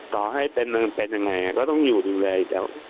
ต่อให้เป็นยังไงก็ต้องอยู่ดูแล